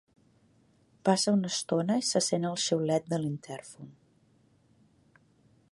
Passa una estona i se sent el xiulet de l'intèrfon.